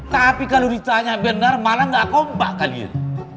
tapi kalau ditanya benar malah gak kompak kalian